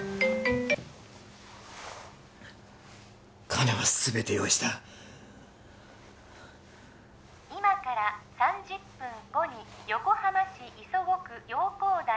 金は全て用意した今から３０分後に横浜市磯子区洋光台７